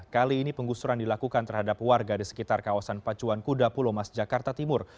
kali ini penggusuran dilakukan terhadap warga di sekitar kawasan pacuan kuda pulau mas jakarta timur